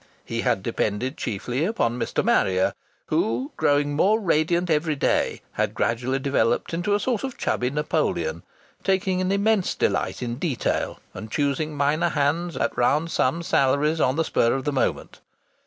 He had depended chiefly upon Mr. Marrier, who, growing more radiant every day, had gradually developed into a sort of chubby Napoleon, taking an immense delight in detail and in choosing minor hands at round sum salaries on the spur of the moment.